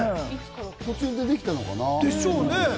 途中でできたのかな？